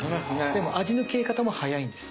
でも味の消え方も早いんです。